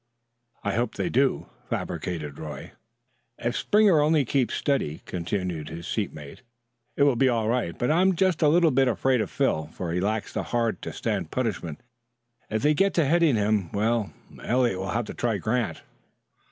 "I hope they do," fabricated Roy. "If Springer only keeps steady," continued his seatmate, "it will be all right; but I'm just a little bit afraid of Phil, for he lacks the heart to stand punishment. If they get to hitting him well, Eliot will have to try Grant."